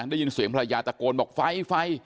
ได้ยินเสียงภรรยาตะโกนบอกไฟไฟ